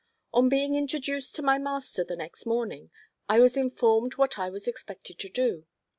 On being introduced to my master the next morning I was informed what I was expected to do.